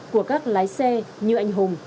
của các lái xe như anh hùng